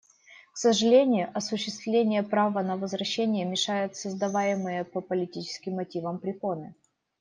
К сожалению, осуществлению права на возвращение мешают создаваемые по политическим мотивам препоны.